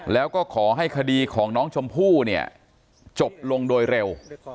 แล้วก็ขอให้คดีของน้องชมพู่เนี่ยจบลงโดยเร็ว